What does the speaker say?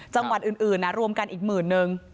จังหวัดอื่นรวมกันอีกหมื่นนึง